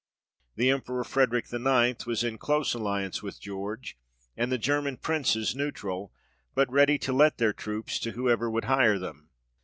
The Emperor Frederick IX. was in close alliance with George, and the German Princes neutral, but ready to let their troops to whoever would hire them.